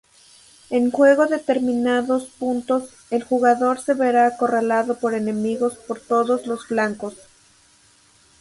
En determinados puntos, el jugador se verá acorralado por enemigos por todos los flancos.